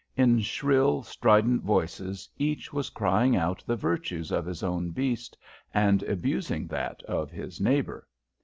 In shrill, strident voices each was crying out the virtues of his own beast, and abusing that of his neighbour.